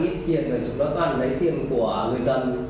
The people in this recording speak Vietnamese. rồi chúng nó toàn lấy tiền của người dân